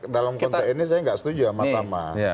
dalam konteks ini saya nggak setuju sama tama